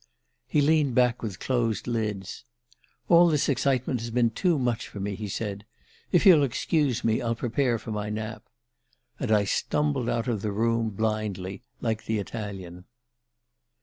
"He leaned back with closed lids. 'All this excitement has been too much for me,' he said. 'If you'll excuse me, I'll prepare for my nap.' And I stumbled out of the room, blindly, like the Italian."